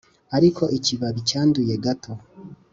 ariko ikibabi cyanduye gato: